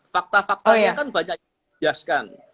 fakta fakta nya kan banyak yang dikajaskan